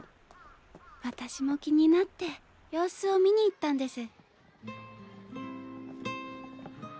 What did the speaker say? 私も気になって様子を見に行ったんです。